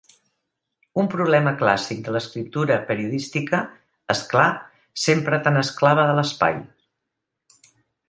Un problema clàssic de l'escriptura periodística, és clar, sempre tan esclava de l'espai.